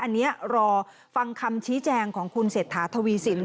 อันนี้รอฟังคำชี้แจงของคุณเศรษฐาทวีสิน